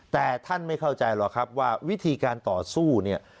แต่ท่านไม่เข้าใจหรอกครับว่าวิธีการต่อสู้เนี่ย